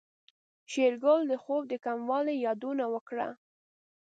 شېرګل د خوب د کموالي يادونه وکړه.